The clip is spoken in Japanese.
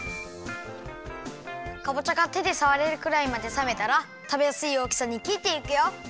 かぼちゃがてでさわれるくらいまでさめたらたべやすいおおきさにきっていくよ。